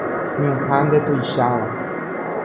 Ñuhã ndetuicháva.